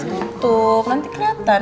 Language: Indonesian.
tidak ditutup nanti keratan